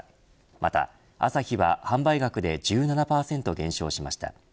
また、アサヒは販売額で１７％減少しました。